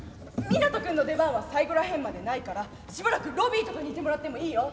湊斗君の出番は最後ら辺までないからしばらくロビーとかにいてもらってもいいよ？